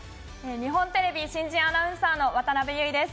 日本テレビ新人アナウンサーの渡邉結衣です。